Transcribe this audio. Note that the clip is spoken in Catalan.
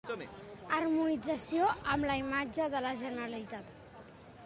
Harmonització amb la imatge de la Generalitat.